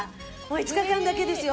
５日間だけですよ。